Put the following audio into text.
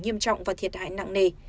nghiêm trọng và thiệt hại nặng nề